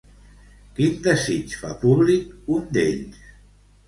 Quin desig fa públic un d'ells?